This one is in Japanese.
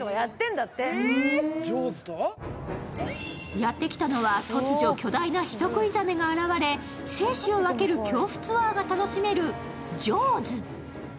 やってきたのは、突如、巨大な人食いザメが現れ、生死を分ける恐怖ツアーが楽しめる「ジョーズ」。